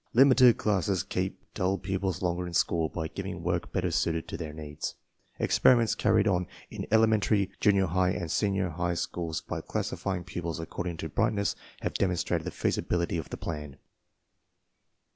Limited classes keep dull pupils longer in school by giving work better suited to their needs J Experiments carried on in elementary, junior high, and senior high schools by classifying pupils according to brightness have demonstrated the feasibility of the plan.